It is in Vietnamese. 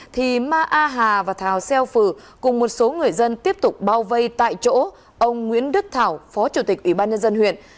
thì ma a hà và thảo xeo phừ cùng một số người dân tiếp tục bao vây tại chỗ ông nguyễn đức thảo phó chủ tịch ủy ban nhân dân huyện